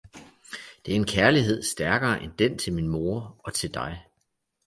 Det er en kærlighed, stærkere end den til min moder og til dig